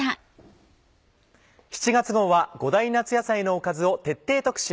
７月号は５大夏野菜のおかずを徹底特集。